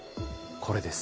これです。